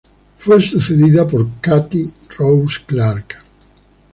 Fue sucedida por Katie Rose Clarke.